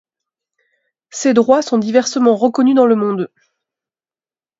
Ces droits sont diversement reconnus dans le monde.